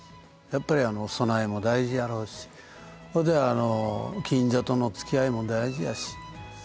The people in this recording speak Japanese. やっぱり備えも大事やろうしそれで近所とのつきあいも大事やし。